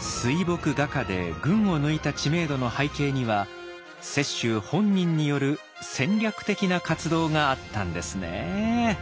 水墨画家で群を抜いた知名度の背景には雪舟本人による戦略的な活動があったんですね。